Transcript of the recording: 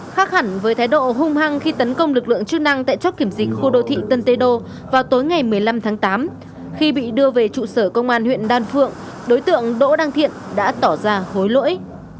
khác hẳn với thái độ hung hăng khi tấn công lực lượng chức năng tại chóc kiểm dịch khu đô thị tân tê đô vào tối ngày một mươi năm tháng tám khi bị đưa về trụ sở công an huyện đan phượng đối tượng đỗ đăng thiện đã tỏ ra hối lỗi